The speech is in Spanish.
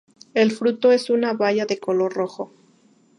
El fruto es una baya de color rojo.